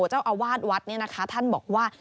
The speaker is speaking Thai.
เจ้าอาวาสวัดเนี่ยนะคะท่านบอกว่า